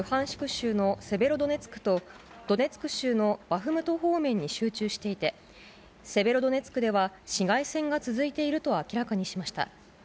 州のセベロドネツクと、ドネツク州のバフムト方面に集中していて、セベロドネツクでは市街戦が続いていると明らかにしました。